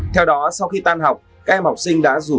theo đó sau khi tan học các em học sinh đã dùng tên là lò văn cường